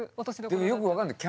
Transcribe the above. でもよく分かんない。